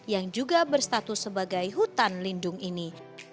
yang juga berstatus sebagai hutan lindung ini